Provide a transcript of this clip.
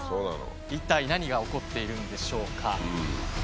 一体何が起こっているんでしょうか？